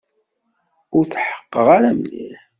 Ur tḥeqqeɣ ara mliḥ.